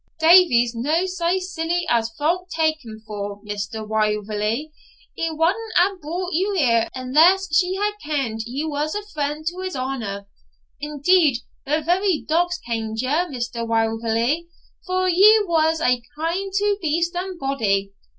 'Davie's no sae silly as folk tak him for, Mr. Wauverley; he wadna hae brought you here unless he had kend ye was a friend to his Honour; indeed the very dogs kend ye, Mr. Wauverley, for ye was aye kind to beast and body.